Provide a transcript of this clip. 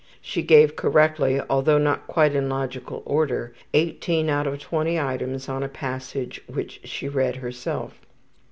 She gave correctly, although not quite in logical order, 18 out of 20 items on a passage which she read herself.